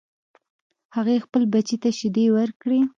هغې خپل بچی ته شیدې ورکړې